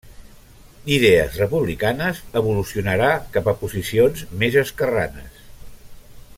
D'idees republicanes evolucionarà cap a posicions més esquerranes.